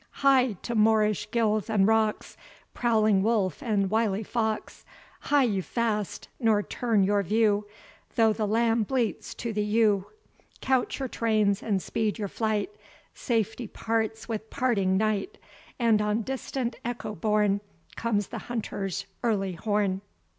"Hie to moorish gills and rocks, Prowling wolf and wily fox, Hie you fast, nor turn your view, Though the lamb bleats to the ewe. Couch your trains, and speed your flight, Safety parts with parting night; And on distant echo borne, Comes the hunter's early horn.